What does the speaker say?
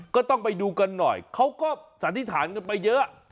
ก็ต้องไปดูกันหน่อยเขาก็สันนิษฐานกันไปเยอะ